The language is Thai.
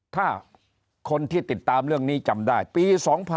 ถ้าคนที่ติดตามเรื่องนี้จำได้ปี๒๕๖๒